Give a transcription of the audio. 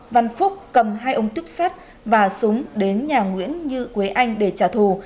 văn phúc cầm hai ông tiếp sát và súng đến nhà nguyễn như quế anh để trả thù